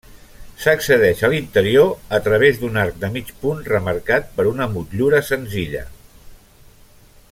S'accedeix a l'interior a través d'un arc de mig punt remarcat per una motllura senzilla.